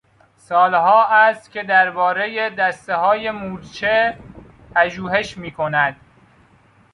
سالها است که دربارهی دستههای مورچه پژوهش میکند.